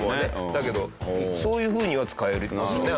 だけどそういう風には使えますよね